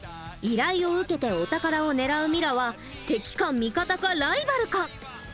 依頼を受けてお宝を狙うミラは敵か味方かライバルか？